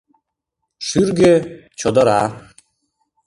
Шӱргӧ — чодыра.